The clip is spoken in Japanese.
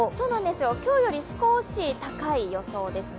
今日より少し高い予想ですね。